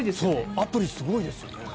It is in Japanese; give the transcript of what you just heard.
アプリ、すごいですよね。